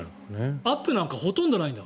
アップなんかほとんどない。